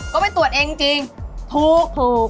ก็ไปตรวจเองจริงถูก